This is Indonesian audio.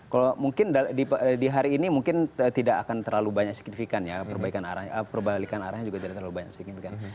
kalau mungkin di hari ini mungkin tidak akan terlalu banyak signifikan ya perbaikan arahnya juga tidak terlalu banyak signifikan